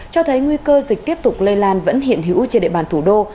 cho thấy nguy cơ dịch tiếp tục lây lan vẫn hiện hữu trên địa bàn thủ đô